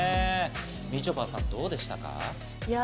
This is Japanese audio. みちょぱさん、どうでしたか？